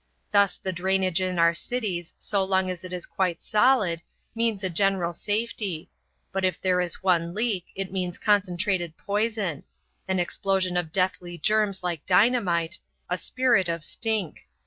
Thus the drainage in our cities so long as it is quite solid means a general safety, but if there is one leak it means concentrated poison an explosion of deathly germs like dynamite, a spirit of stink.